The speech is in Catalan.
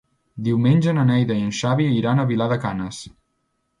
Diumenge na Neida i en Xavi iran a Vilar de Canes.